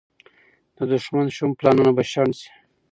د دښمن شوم پلانونه به شنډ شي.